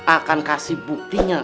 akan kasih buktinya